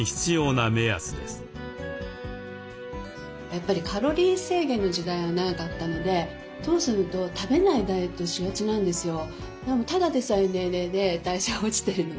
やっぱりカロリー制限の時代が長かったのでともすると食べないダイエットをしがちなんですよ。